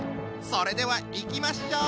それではいきましょう！